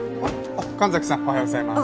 神崎さんおはようございます。